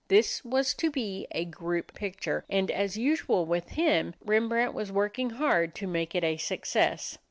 This was to be a group picture, and as usual with him, Rembrandt was working hard to make it a success.